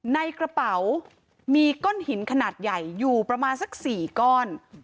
ในกระเป๋ามีก้อนหินขนาดใหญ่อยู่ประมาณสัก๔ก้อน